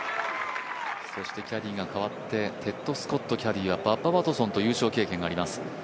キャディーが変わってテッド・スコットキャディーはバッバ・ワトソンと優勝経験があります。